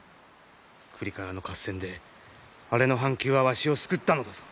倶利伽羅の合戦であれの半弓はわしを救ったのだぞ。